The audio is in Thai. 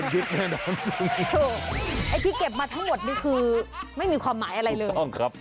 ถูกพี่เก็บมาทั้งหมดนี่คือไม่มีความหมายอะไรเลยถูกต้องครับ